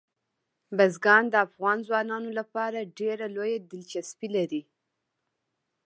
بزګان د افغان ځوانانو لپاره ډېره لویه دلچسپي لري.